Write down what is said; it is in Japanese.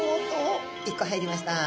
１個入りました。